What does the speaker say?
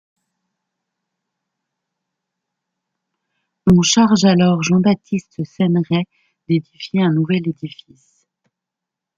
On charge alors Jean-Baptiste Ceineray d'édifier un nouvel édifice.